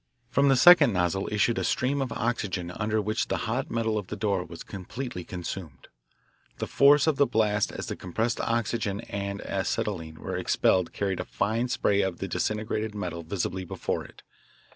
From the second nozzle issued a stream of oxygen under which the hot metal of the door was completely consumed. The force of the blast as the compressed oxygen and acetylene were expelled carried a fine spray of the disintegrated metal visibly before it.